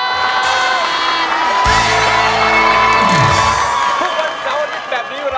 ทุกวันเสาร์อาทิตย์แบบนี้